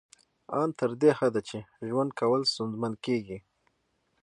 ان تر دې حده چې ژوند کول ستونزمن کیږي